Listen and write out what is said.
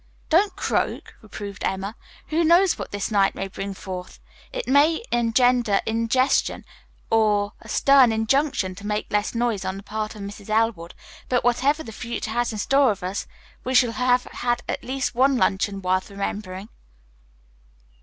"Don't croak," reproved Emma. "Who knows what this night may bring forth? It may engender indigestion, or a stern injunction to make less noise on the part of Mrs. Elwood, but whatever the future has in store for us, we shall have had at least one luncheon worth remembering."